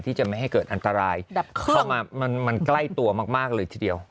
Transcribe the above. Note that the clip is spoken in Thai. ที่จะไม่ให้เกิดอันตรายเข้ามามันใกล้ตัวมากเลยทีเดียว